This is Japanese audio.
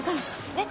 ねっ？